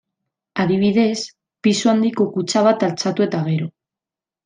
Adibidez, pisu handiko kutxa bat altxatu eta gero.